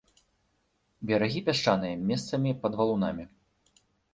Берагі пясчаныя, месцамі пад валунамі.